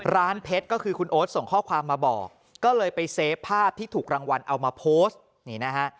เพชรก็คือคุณโอ๊ตส่งข้อความมาบอกก็เลยไปเซฟภาพที่ถูกรางวัลเอามาโพสต์นี่นะฮะ